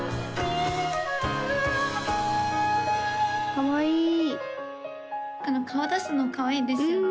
かわいいこの顔出すのかわいいですよね